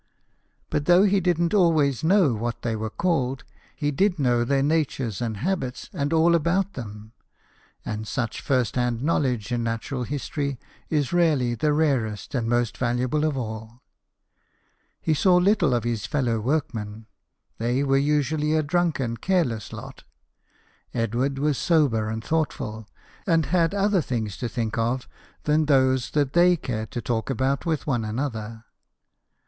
But, though he didn't always know what they were called, he did know their natures and habits and all about them ; and such first hand knowledge in natural history is really the rarest and the most valu able of all. He saw little of his fellow workmen. They were usually a drunken, careless lot ; Edward was sober and thoughtful, and had other things to think of than those that they cared to talk about with one another.